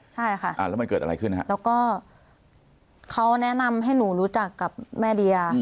ใช่ค่ะอ่าแล้วมันเกิดอะไรขึ้นฮะแล้วก็เขาแนะนำให้หนูรู้จักกับแม่เดีย